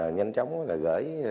nhanh chóng là gửi